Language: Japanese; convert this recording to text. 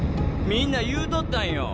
みんな言うとったんよ。